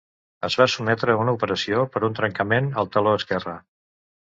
Es va sotmetre a una operació per un trencament al taló esquerra.